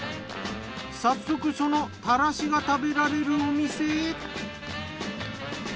早速そのたらしが食べられるお店へ。